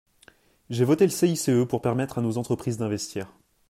J’ai voté le CICE pour permettre à nos entreprises d’investir.